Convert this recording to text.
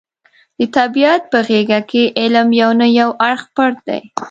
د طبیعت په غېږه کې علم یو نه یو اړخ پټ دی.